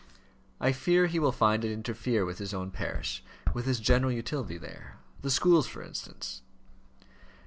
"I fear he will find it interfere with his own parish with his general utility there: the schools, for instance."